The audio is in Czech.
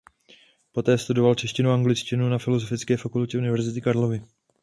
Poté studoval češtinu a angličtinu na Filosofické fakultě University Karlovy.